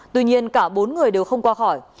tuy nhiên cả bốn người đều không qua khỏi